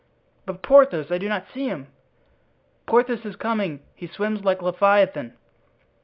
"But Porthos, I do not see him." "Porthos is coming—he swims like Leviathan."